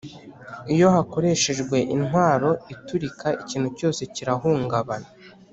Iyo hakoreshejwe intwaro iturika ikintu cyose kirahungabana